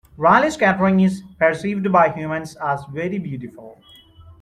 Raleigh scattering is perceived by humans as very beautiful.